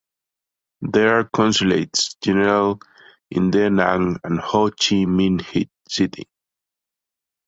There are consulates general in Da Nang and Ho Chi Minh City.